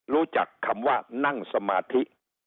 รู้จักคำว่านั่งสมาธิ